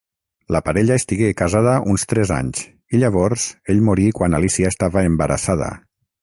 La parella estigué casada uns tres anys i llavors ell morí quan Alícia estava embarassada.